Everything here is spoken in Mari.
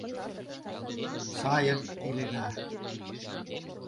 Сайын илена.